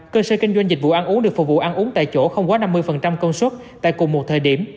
cơ sở kinh doanh dịch vụ ăn uống được phục vụ ăn uống tại chỗ không quá năm mươi công suất tại cùng một thời điểm